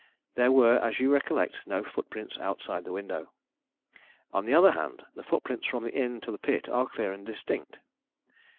There were, as you recollect, no footprints outside the window. On the other hand, the footprints from the inn to the pit are clear and distinct.